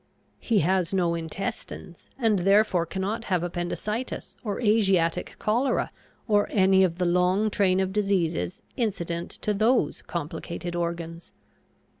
He has no intestines, and therefore cannot have appendicitis or Asiatic cholera or any of the long train of diseases incident to those complicated organs.